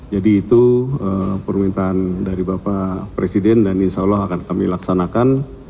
jadi itu permintaan dari bapak presiden dan insya allah akan kami laksanakan